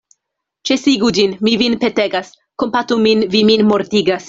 Ĉesigu ĝin, mi vin petegas; kompatu min; vi min mortigas.